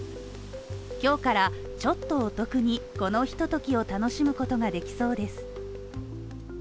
今日からちょっとお得にこのひとときを楽しむことができそうです。